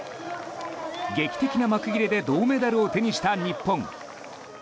劇的な幕切れで銅メダルを手にした日本。